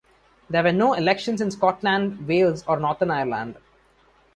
There were no elections in Scotland, Wales or Northern Ireland.